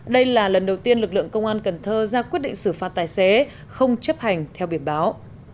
đây là lần đầu tiên lực lượng công an cần thơ ra quyết định xử phạt tài xế không chấp hành theo biển báo